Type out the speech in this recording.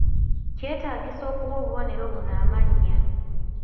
Kyetaagisa okuwa obubonero buno amannya